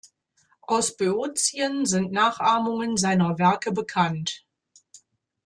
Aus Böotien sind Nachahmungen seiner Werke bekannt.